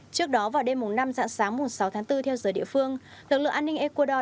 trước đó vào đêm năm dạng sáng sáu tháng bốn theo giờ địa phương lực lượng an ninh ecuador